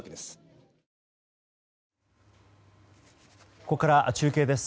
ここからは中継です。